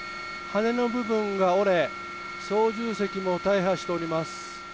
羽の部分が折れ、操縦席も大破しております。